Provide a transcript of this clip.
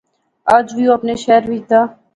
اج وی او اپنے شہرے وچ دا